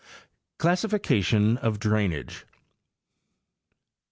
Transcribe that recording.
' CLASSIFICATION OF DRAINAGE.